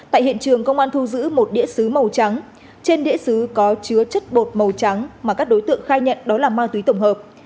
tại hiện trường công an thu giữ một đĩa xứ màu trắng trên đĩa xứ có chứa chất bột màu trắng mà các đối tượng khai nhận đó là ma túy tổng hợp